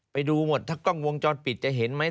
ไปดูหมดถ้ากล้องวงจรปิดจะเห็นไหม